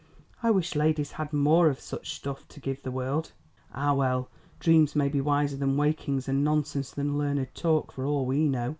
"I wish ladies had more of such stuff to give the world." "Ah, well, dreams may be wiser than wakings, and nonsense than learned talk, for all we know.